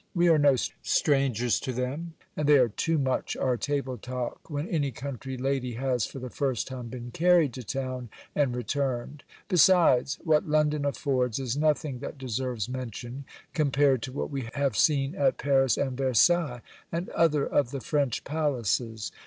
We are no strangers to them; and they are too much our table talk, when any country lady has for the first time been carried to town, and returned: besides, what London affords, is nothing that deserves mention, compared to what we have seen at Paris and at Versailles, and other of the French palaces.